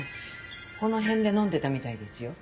この辺で飲んでたみたいですよ。